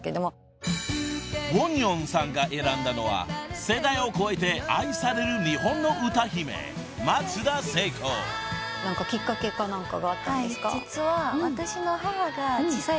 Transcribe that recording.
［ウォニョンさんが選んだのは世代を超えて愛される日本の歌姫］きっかけか何かがあったんですか？